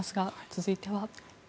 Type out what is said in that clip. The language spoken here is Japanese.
続いては。